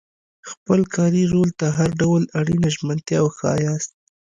خپل کاري رول ته هر ډول اړینه ژمنتیا وښایاست.